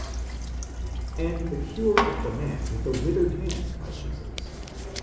and the cure of the man with the withered hand by Jesus (v.